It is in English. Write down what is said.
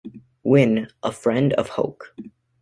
Wynne, a friend of Hoke.